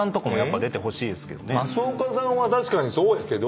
ますおかさんは確かにそうやけど。